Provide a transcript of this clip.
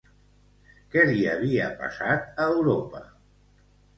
Què li havia passat a Europa?